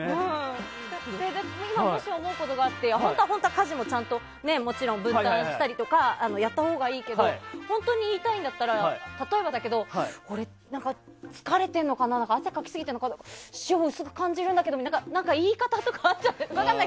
今もし思うことがあって本当は家事も分担したりとかやったほうがいいけど本当に言いたいんだったら例えばだけど俺、疲れてるのかな汗をかきすぎてるんだけどとか言い方とかあるんじゃないかな。